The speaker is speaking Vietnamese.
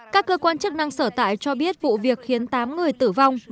các cơ quan chức năng sở tại cho biết vụ việc khiến tám người tử vong